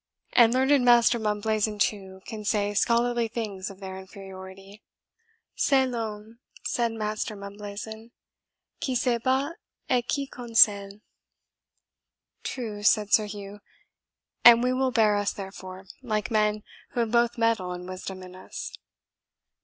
And learned Master Mumblazen, too, can say scholarly things of their inferiority." "C'EST L'HOMME," said Master Mumblazen, "QUI SE BAST, ET QUI CONSEILLE." "True," said Sir Hugh, "and we will bear us, therefore, like men who have both mettle and wisdom in us.